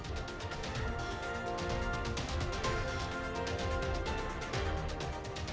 bantuan sosial tetap akan dilanjutkan